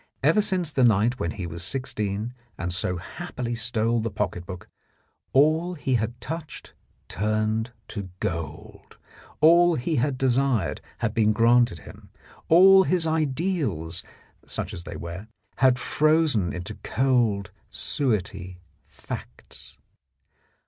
Ever since the night when he was sixteen and so happily stole the pocket book, all he had touched turned to gold, all he had desired had been granted him, all his ideals (such as they were) had frozen into cold suetty facts.